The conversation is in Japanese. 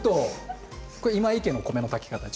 今井家の米の炊き方です。